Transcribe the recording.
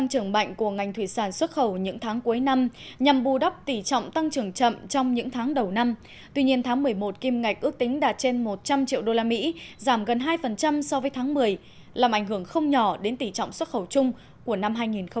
huyện triệu phong đã đạt trên một trăm linh triệu usd giảm gần hai so với tháng một mươi làm ảnh hưởng không nhỏ đến tỷ trọng xuất khẩu chung của năm hai nghìn một mươi sáu